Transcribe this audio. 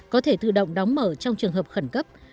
có thể tự động đóng mở trong trường hợp khẩn cấp